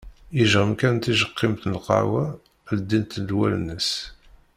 Yejɣem kan tijeqqimt n lqahwa ldint-d wallen-is.